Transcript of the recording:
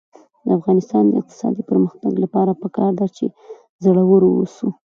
د افغانستان د اقتصادي پرمختګ لپاره پکار ده چې زړور اوسو.